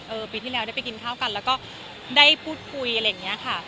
ปีที่แล้วได้ไปกินข้าวกันแล้วก็ได้พูดคุยอะไรอย่างนี้ค่ะ